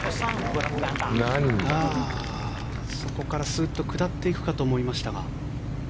そこからスーッと下っていくと思いましたが。